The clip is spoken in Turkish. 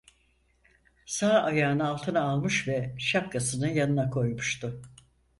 Sağ ayağını altına almış ve şapkasını yanına koymuştu.